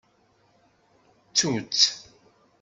Ttu-tt.